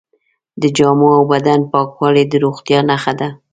د جامو او بدن پاکوالی د روغتیا نښه ده.